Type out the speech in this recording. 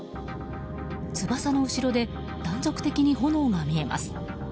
翼の後ろで断続的に炎が見えます。